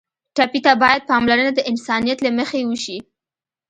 ټپي ته باید پاملرنه د انسانیت له مخې وشي.